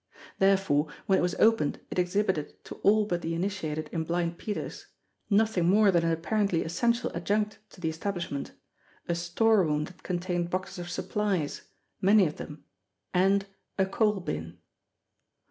The: 2fore when it was opened it exhibited to all but the initiated in Blind Peter's nothing more than an ap parently essential adjunct to the establishment a storeroom that contained boxes of supplies, many of them, and a coal bin!